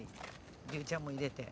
りゅうちゃんも入れて。